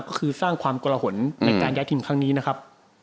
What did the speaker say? ก็คือสร้างความกลหนในการย้ายทีมครั้งนี้นะครับ